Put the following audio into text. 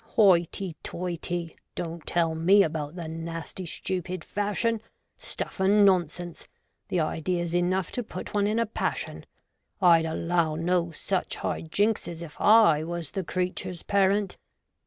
Hoity toity !— don't tell me about the nasty stupid fashion ! Stuff and nonsense !— the idea's enough to put one in a passion. I'd allow no such high jinkses, if I was the creatures' parent.